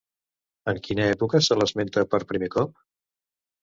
En quina època se l'esmenta per primer cop?